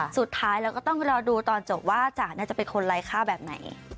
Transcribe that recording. สุดท้ายเราก็ต้องรอดูตอนจบว่าจ๋าจะเป็นคนไร้ค่าแบบไหน